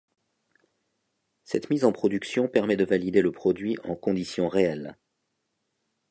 Cette mise en production permet de valider le produit en conditions réelles.